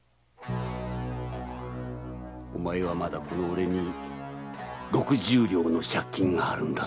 お前はまだ俺に六十両の借金があるんだぞ？